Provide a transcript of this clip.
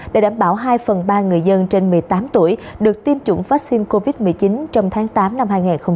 để đảm bảo hai phần ba người dân trên một mươi tám tuổi được tiêm chủng vaccine covid một mươi chín trong tháng tám năm hai nghìn hai mươi